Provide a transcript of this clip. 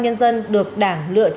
anh đừng có cầm lấy